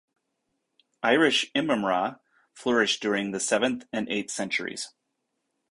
Irish immrama flourished during the seventh and eighth centuries.